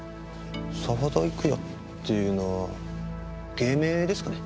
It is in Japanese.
澤田郁哉っていうのは芸名ですかね？